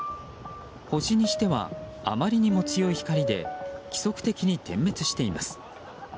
星にしては、あまりにも強い光で規則的に点滅しています。